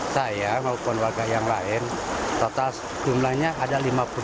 saya maupun warga yang lain total jumlahnya ada lima puluh sembilan